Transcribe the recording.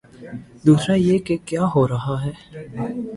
دوسرا یہ کہ کیا ہو رہا ہے۔